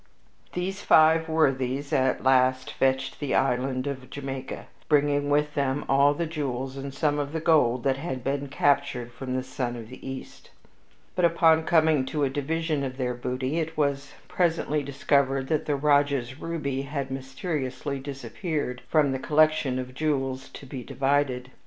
These five worthies at last fetched the island of Jamaica, bringing with them all of the jewels and some of the gold that had been captured from The Sun of the East. But, upon coming to a division of their booty, it was presently discovered that the Rajah's ruby had mysteriously disappeared from the collection of jewels to be divided.